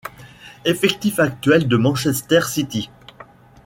Effectif actuel de Manchester City.